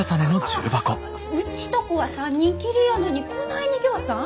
うちとこは３人きりやのにこないにぎょうさん？